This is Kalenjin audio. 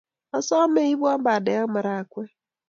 Asome iipwo pandek ak marakwek